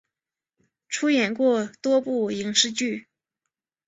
出演过多部影视剧。